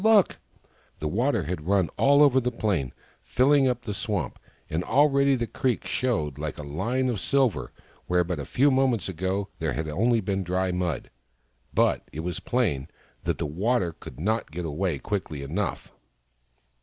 " Look !" The water had run all over the plain, filling up the swamp, and already the creek showed like a line of silver where but a few moments ago there had been only dry mud. But it was plain that the water could not get away quickly enough.